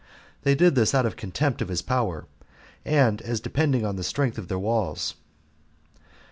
This they did out of contempt of his power, and as depending on the strength of their walls.